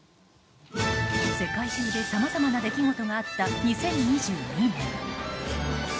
世界中でさまざまな出来事があった２０２２年。